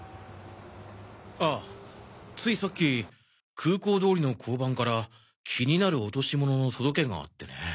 ああついさっき空港通りの交番から気になる落とし物の届けがあってね。